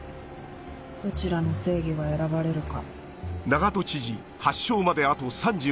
どちらの正義が選ばれるか。